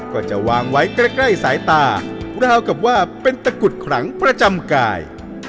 ก็จะวางไว้ใกล้สายตาราวกับว่าเป็นตะกุดขลังประจำกาย